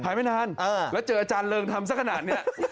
ไม่นานแล้วเจออาจารย์เริงทำสักขนาดนี้